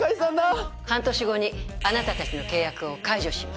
半年後にあなたたちの契約を解除します